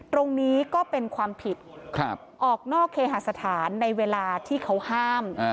ก็เป็นความผิดออกนอกเคหาสถานในเวลาที่เขาห้าม